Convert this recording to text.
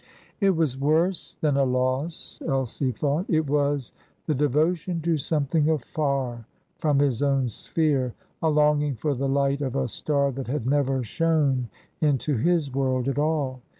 It was worse than a loss, Elsie thought. It was "the devotion to something afar" from his own sphere a longing for the light of a star that had never shone into his world at all.